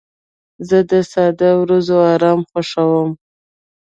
زه د ساده ورځو ارامي خوښوم.